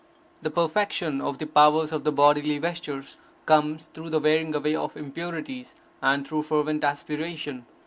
The perfection of the powers of the bodily vesture comes through the wearing away of impurities, and through fervent aspiration.